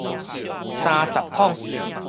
三十捅